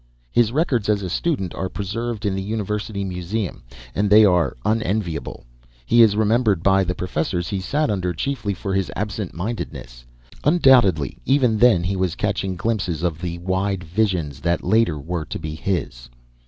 His records as a student are preserved in the university museum, and they are unenviable. He is remembered by the professors he sat under chiefly for his absent mindedness. Undoubtedly, even then, he was catching glimpses of the wide visions that later were to be his.